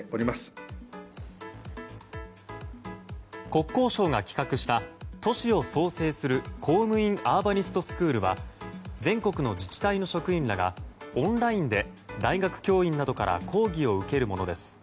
国交省が企画した都市を創生する公務員アーバニストスクールは全国の自治体の職員らがオンラインで大学教員などから講義を受けるものです。